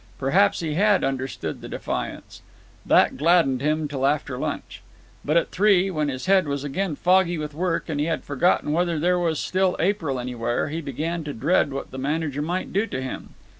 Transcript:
Perhaps he had understood the defiance. That gladdened him till after lunch. But at three, when his head was again foggy with work and he had forgotten whether there was still April anywhere, he began to dread what the manager might do to him.